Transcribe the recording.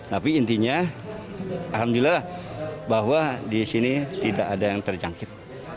tapi intinya alhamdulillah bahwa di sini tidak ada yang terjangkit